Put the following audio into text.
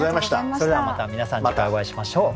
それではまた皆さん次回お会いしましょう。